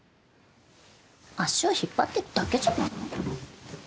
足を引っ張ってるだけじゃないの？